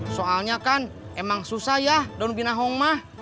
soalnya kan emang susah ya daun binahong mah